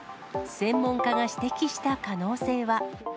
専門家が指摘した可能性は。